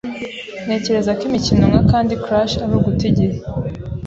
Ntekereza ko imikino nka Candy Crush ari uguta igihe.